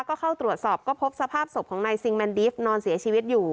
ก็เข้าตรวจสอบก็พบสภาพศพของนายซิงแมนดิฟต์นอนเสียชีวิตอยู่